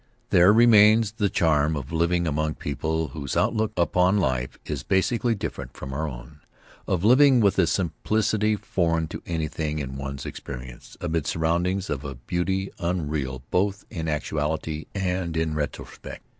There remains the charm of living among people whose outlook upon life is basically different from our own; of living with a simplicity foreign to anything in one's experience, amid surroundings of a beauty unreal both in actuality and in retrospect.